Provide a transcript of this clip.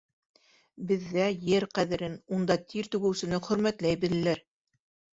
Беҙҙә ер ҡәҙерен, унда тир түгеүсене хөрмәтләй беләләр.